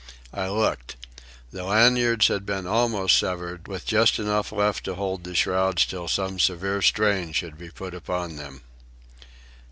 I looked. The lanyards had been almost severed, with just enough left to hold the shrouds till some severe strain should be put upon them.